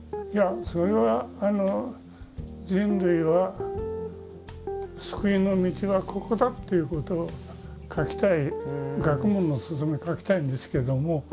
いやそれは人類は救いの道はここだっていうことを書きたい「学問のすゝめ」書きたいんですけども。